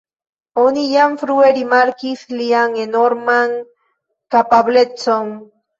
Oni jam frue rimarkis lian enorman kapablecon.